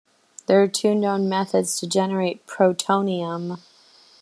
There are two known methods to generate protonium.